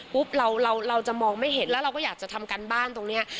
เราจะมองไม่เห็นแล้วเราก็อยากจะทำการบ้านตรงนี้